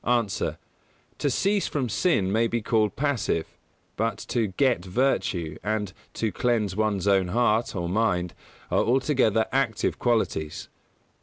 _ A. To "cease from sin" may be called passive, but to "get virtue" and "to cleanse one's own heart," or mind, are altogether active qualities.